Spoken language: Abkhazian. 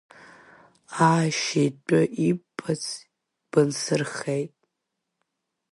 Аашьа итәы иббац, бынсырхеит.